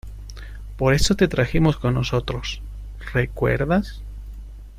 por eso te trajimos con nosotros. ¿ recuerdas?